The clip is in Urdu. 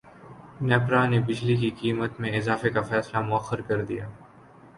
نیپرا نے بجلی کی قیمت میں اضافے کا فیصلہ موخر کردیا